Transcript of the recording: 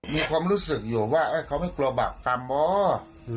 มีความรู้สึกอยู่ว่าเขาไม่กลัวบาปกรรมอ๋อ